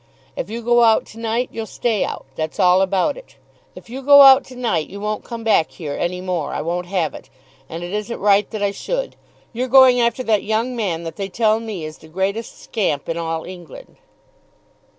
If you go out to night you'll stay out. That's all about it. If you go out to night you won't come back here any more. I won't have it, and it isn't right that I should. You're going after that young man that they tell me is the greatest scamp in all England."